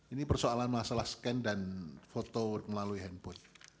ini persoalan masalah scan dan foto melalui handphone